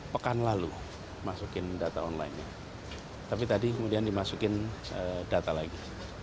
pekan lalu masukin data online tapi tadi kemudian dimasukin data lagi